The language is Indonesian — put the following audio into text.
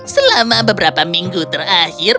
selama beberapa minggu terakhir